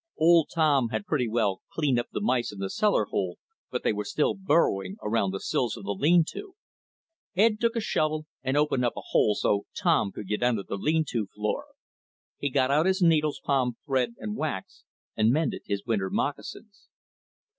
Old Tom had pretty well cleaned up the mice in the cellar hole, but they were still burrowing around the sills of the lean to. Ed took a shovel and opened up a hole so Tom could get under the lean to floor. He got out his needles, palm, thread, and wax; and mended his winter moccasins.